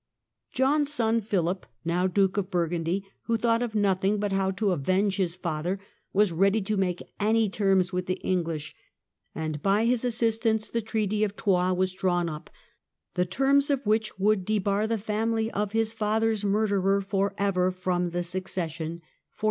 John's son Phihp, now Duke of Burgundy, who thought of nothing but how to avenge his father, was ready to make any terms with the English, and by his assistance the Treaty of Troyes was drawn up, the terms of which would debar the family of his father's murderer for ever from the succession.